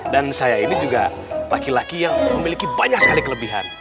dan saya ini juga laki laki yang memiliki banyak sekali kelebihan